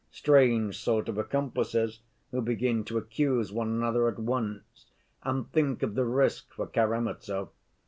Strange sort of accomplices who begin to accuse one another at once! And think of the risk for Karamazov.